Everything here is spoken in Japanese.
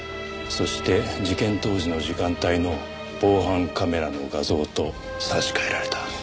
そして事件当時の時間帯の防犯カメラの画像と差し替えられた。